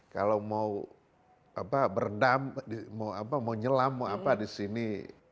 kalau mau berendam mau nyelam di sini